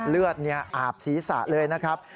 เลือดอาบศีรษะเลยนะครับ